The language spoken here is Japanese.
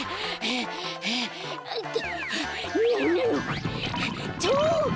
ああっと。